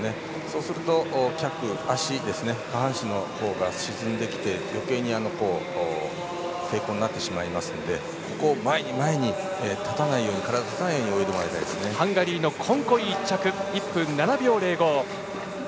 そうすると下半身が沈んできて、余計に抵抗になってしまいますので前に前に体が立たないようにハンガリーのコンコイが１着１分７秒０５。